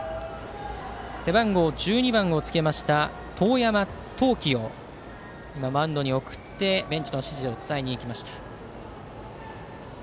背番号１２番をつけました遠山至祈をマウンドに送ってベンチの指示を伝えに行きました。